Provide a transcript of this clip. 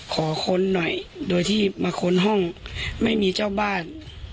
ค้นหน่อยโดยที่มาค้นห้องไม่มีเจ้าบ้าน